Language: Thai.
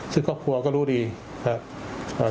ซึ่งครอบครัวก็รู้ดีครับ